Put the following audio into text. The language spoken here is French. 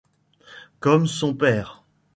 Comme son père